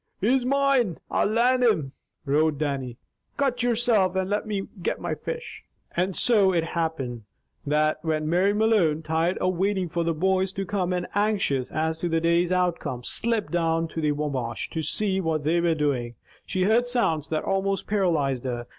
"He's mine, and I'll land him!" roared Dannie. "Cut yoursel', and let me get my fish!" So it happened, that when Mary Malone, tired of waiting for the boys to come, and anxious as to the day's outcome, slipped down to the Wabash to see what they were doing, she heard sounds that almost paralyzed her.